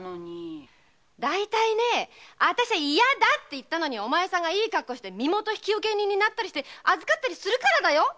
嫌だって言ったのにお前さんがいい格好して身元引受人になって預かったからだよ。